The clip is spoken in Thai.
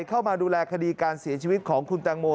เข้ามาดูแลคดีการเสียชีวิตของคุณแตงโม